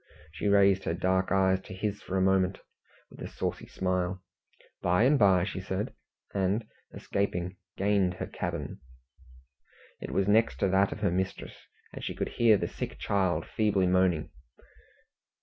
She raised her dark eyes to his for a moment, with a saucy smile. "By and by," said she, and escaping, gained her cabin. It was next to that of her mistress, and she could hear the sick child feebly moaning.